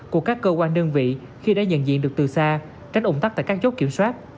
của các cơ quan đơn vị khi đã nhận diện được từ xa tránh ủng tắc tại các chốt kiểm soát